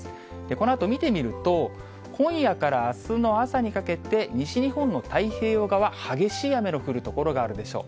このあと見てみると、今夜からあすの朝にかけて、西日本の太平洋側、激しい雨の降る所があるでしょう。